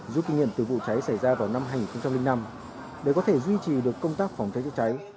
rút kinh nghiệm từ vụ cháy xảy ra vào năm hai nghìn năm để có thể duy trì được công tác phòng cháy chữa cháy